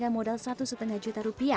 bantal ini seperti apa